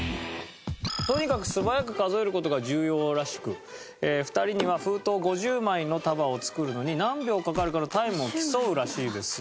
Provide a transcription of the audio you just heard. とにかく素早く数える事が重要らしく２人には封筒５０枚の束を作るのに何秒かかるかのタイムを競うらしいです。